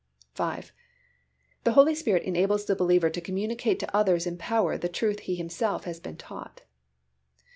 V. _The Holy Spirit enables the believer to communicate to others in power the truth he himself has been taught.